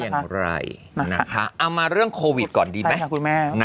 เอามาเรื่องโควิดก่อนดีก่อน